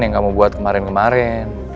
yang kamu buat kemarin kemarin